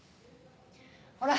ほら！